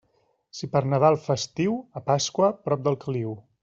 Si per Nadal fa estiu, a Pasqua, prop del caliu.